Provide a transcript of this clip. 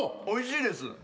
おいしいです。